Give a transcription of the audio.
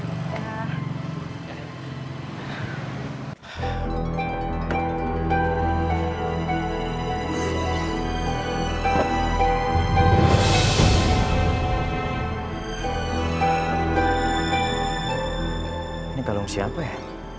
ini kalung siapa ya